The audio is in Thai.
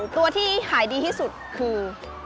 ตัวที่หายดีที่สุดคือ